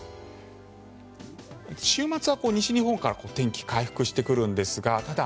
週末は西日本から天気、回復してくるんですがただ、